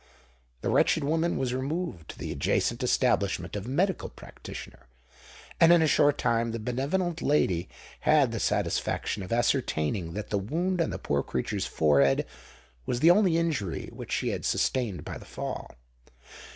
The wretched woman was removed to the adjacent establishment of a medical practitioner; and in a short time the benevolent lady had the satisfaction of ascertaining that the wound on the poor creature's forehead was the only injury which she had sustained by the fall.